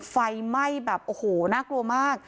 ไฟไหม้แบบโอ้โหน่ากลัวมาก